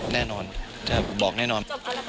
แน่นอนจะบอกแน่นอน